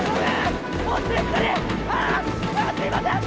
あっすいません！